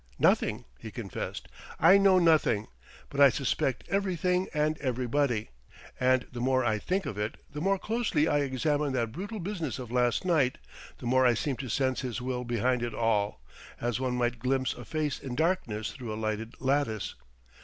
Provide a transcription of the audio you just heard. "Nothing," he confessed "I know nothing; but I suspect everything and everybody.... And the more I think of it, the more closely I examine that brutal business of last night, the more I seem to sense his will behind it all as one might glimpse a face in darkness through a lighted lattice....